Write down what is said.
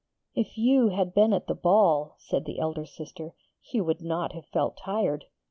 'If you had been at the ball,' said the elder sister, 'you would not have felt tired.